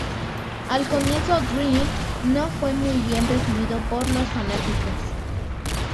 Al comienzo, Green no fue muy bien recibido por los fanáticos.